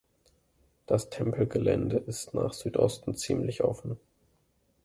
Das Tempelgelände ist nach Südosten ziemlich offen.